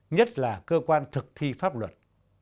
nhất là cơ quan thực thi pháp luật